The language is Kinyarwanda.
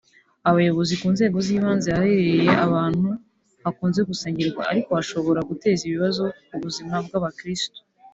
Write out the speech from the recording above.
Abayobozi ku nzego z’ibanze ahaherereye ahantu hakunze gusengerwa ariko hashobora guteza ibibazo ku buzima bw’abakirisito